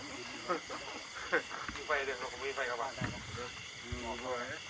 มีไฟด้วยครับ